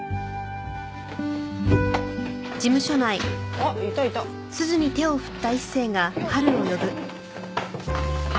あっいたいた。